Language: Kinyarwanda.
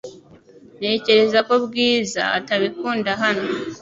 Ntekereza ko Bwiza atabikunda hano .